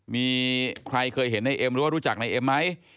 มีใครเคยเห็นนายเอ็มรู้จักนายเอ็มไหม